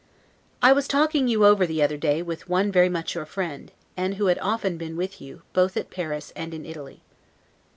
I was talking you over the other day with one very much your friend, and who had often been with you, both at Paris and in Italy.